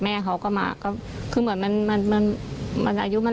ไม่เคยคุยไม่เคยถามไม่เคยปรึกษา